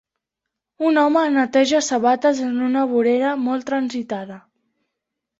Un home neteja sabates en una vorera molt transitada.